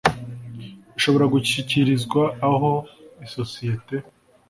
ishobora gushyikirizwa aho isosiyete